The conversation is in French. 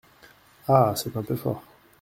Ah ! c’est un peu fort…